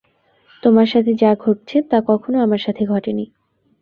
তোমার সাথে যা ঘটছে তা কখনো আমার সাথে ঘটেনি।